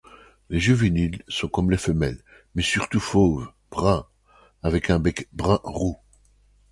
Les juvéniles sont comme les femelles, mais surtout fauve brun avec un bec brun-roux.